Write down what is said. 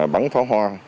bắn pháo hoa